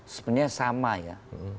sebenarnya sama ya